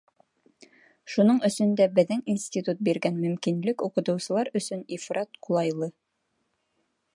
Шуның өсөн дә беҙҙең институт биргән мөмкинлек уҡытыусылар өсөн ифрат ҡулайлы.